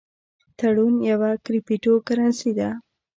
ټرون یوه کریپټو کرنسي ده